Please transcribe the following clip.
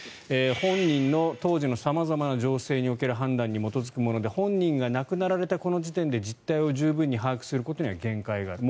本人の当時の様々な情勢における判断に基づくもので本人が亡くなられたこの時点で実態を十分に把握することには限界がある。